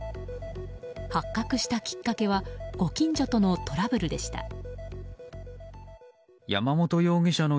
発覚したきっかけはご近所とのトラブルでした。